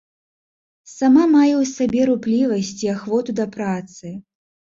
Сама мае ў сабе руплівасць і ахвоту да працы.